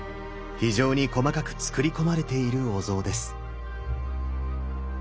非常に細かくつくりこまれているお像です。